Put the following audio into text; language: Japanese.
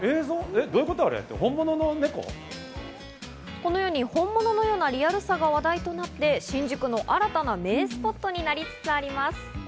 このように本物のようなリアルさが話題となって新宿の新たな名スポットになりつつあります。